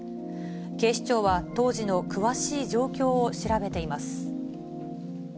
警視庁は、当時の詳しい状況を調べています。